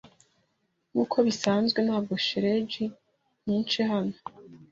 Nkuko bisanzwe, ntabwo shelegi nyinshi hano.